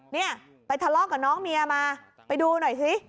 เนี่ยไปทะเลาะกับน้องเมียมาไปดูหน่อยสิ